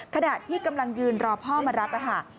ขณะที่กำลังยืนรอพ่อมารับค่ะ